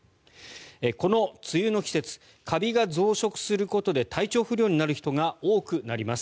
この梅雨の季節カビが増殖することで体調不良になる人が多くなります。